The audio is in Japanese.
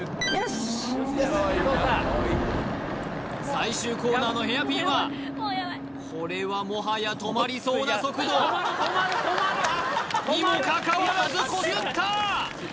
最終コーナーのヘアピンはこれはもはや止まりそうな速度にもかかわらずこすった！